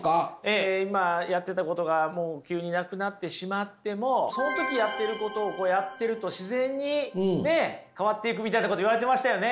今やってたことが急になくなってしまってもその時やってることをやってると自然にね変わっていくみたいなこと言われてましたよね？